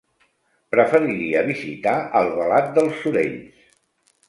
Preferiria visitar Albalat dels Sorells.